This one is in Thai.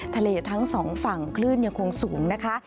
ทั้งสองฝั่งคลื่นยังคงสูงนะคะ